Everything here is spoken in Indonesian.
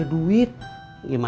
jangan jadi anggap berbuka